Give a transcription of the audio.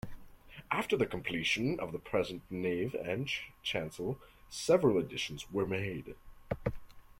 After the completion of the present nave and chancel, several additions were made.